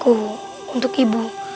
aku ingin menyimpan obatku untuk ibu